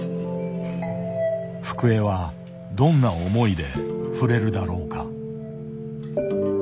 福江はどんな思いで触れるだろうか。